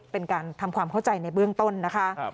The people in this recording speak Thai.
เป็นการทำความเข้าใจในเบื้องต้นนะคะ